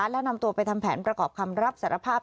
แล้วนำตัวไปทำแผนประกอบคำรับสารภาพ